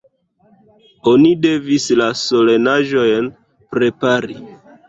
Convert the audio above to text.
Oni devis la solenaĵojn prepari.